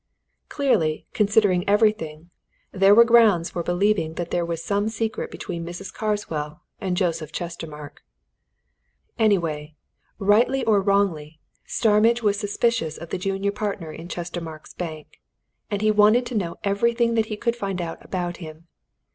Clearly, considering everything, there were grounds for believing that there was some secret between Mrs. Carswell and Joseph Chestermarke. Anyway, rightly or wrongly, Starmidge was suspicious of the junior partner in Chestermarke's Bank, and he wanted to know everything that he could find out about him.